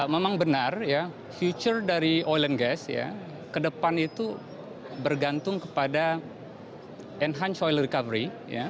memang benar future dari oil and gas ke depan itu bergantung kepada enhanced oil recovery